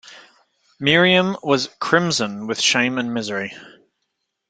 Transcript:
Miriam was crimson with shame and misery.